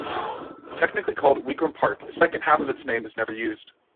Technically called "Wigram Park", the second half of its name is never used.